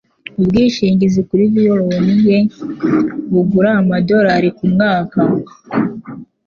Ubwishingizi kuri violon ye bugura amadorari kumwaka.